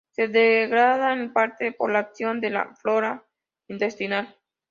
Se degrada en parte por la acción de la flora intestinal.